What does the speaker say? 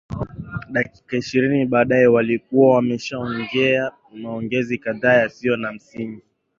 Dakika ishirini baadaye walikuwa wameshaongea maongezi kadhaa yasiyo na msingi